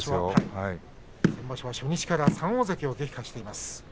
先場所は初日から３大関を撃破しています。